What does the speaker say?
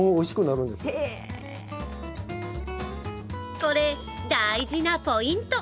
これ、大事なポイント！